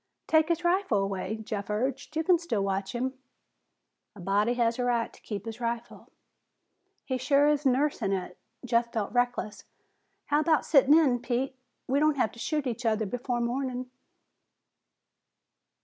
"Take his rifle away," Jeff urged. "You can still watch him." "A body has the right to keep his rifle." "He sure is nursing it." Jeff felt reckless. "How about sitting in, Pete? We don't have to shoot each other before morning."